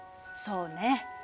そうね。